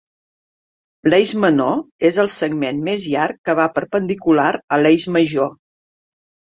L'eix menor és el segment més llarg que va perpendicular a l'eix major.